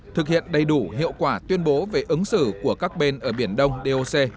thực hiện đầy đủ hiệu quả tuyên bố về ứng xử của các bên ở biển đông doc